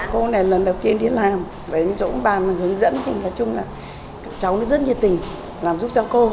cô này lần đầu tiên đi làm đến chỗ bàn hướng dẫn thì nói chung là cháu rất nhiệt tình làm giúp cho cô